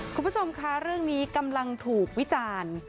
คุณผู้ชมคะเรื่องนี้กำลังถูกวิจารณ์